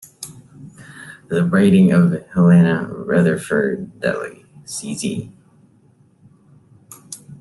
The writing of Helena Rutherfurd Ely, C. Z.